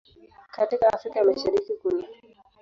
Katika Afrika ya Mashariki kunaː